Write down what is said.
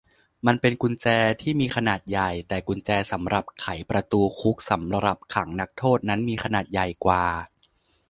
มันเป็นกุญแจที่มีขนาดใหญ่ แต่กุญแจสำหรับไขประตูคุกสำหรับขังนักโทษนั้นมีขนาดใหญ่กว่า